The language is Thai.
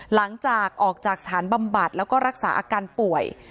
หลังจากออกจากสถานบำบัดแล้วก็รักษาอาการป่วย